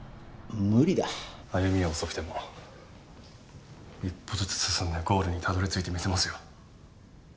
歩みは遅くても一歩ずつ進んでゴールにたどり着いてみせますよ。